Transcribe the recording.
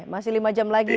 masih lima jam lagi ya